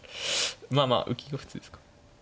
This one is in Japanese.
まあまあ浮きが普通ですか。